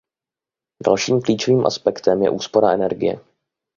Dalším klíčovým aspektem je úspora energie.